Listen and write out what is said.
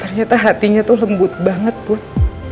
ternyata hatinya tuh lembut banget put